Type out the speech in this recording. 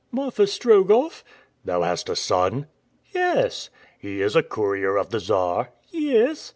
"Marfa Strogoff." "Thou hast a son?" "Yes." "He is a courier of the Czar?" "Yes."